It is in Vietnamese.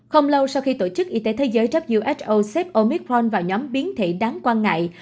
không lâu sau khi tổ chức y tế thế giới who xếp omitron vào nhóm biến thể đáng quan ngại